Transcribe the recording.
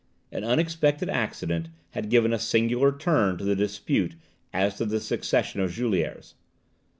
An unexpected accident had given a singular turn to the dispute as to the succession of Juliers.